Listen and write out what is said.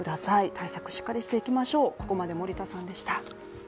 対策、しっかりしていきましょう。